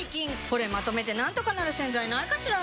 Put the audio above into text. これまとめてなんとかなる洗剤ないかしら？